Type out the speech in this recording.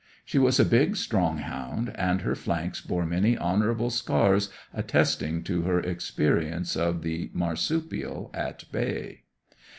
She was a big strong hound, and her flanks bore many honourable scars attesting to her experience of the marsupial at bay.